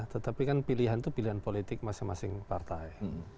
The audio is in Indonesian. tetapi kan pilihan itu pilihan politik masing masing partai